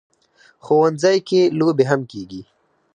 ښوونځی کې لوبې هم کېږي